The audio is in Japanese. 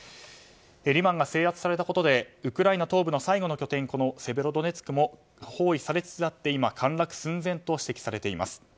リマンが制圧されたことでウクライナ東部の最後の拠点、セベロドネツクも包囲されつつあって今、陥落寸前と指摘されています。